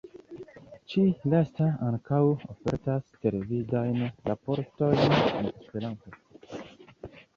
Ĉi-lasta ankaŭ ofertas televidajn raportojn en Esperanto.